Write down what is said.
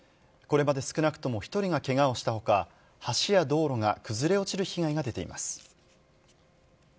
これまで少なくとも１人がけがをしたほか、橋や道路が崩れ落ちる被害が出ています。